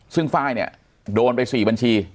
ซึ่งไฟล์เนี่ยโดนไป๔บัญชี